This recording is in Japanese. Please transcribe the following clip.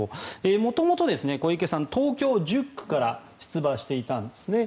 元々、小池さん東京１０区から出馬していたんですね。